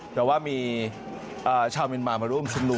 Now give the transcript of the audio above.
แต่ว่ามีชาวเมียนมามาร่วมชุมนุม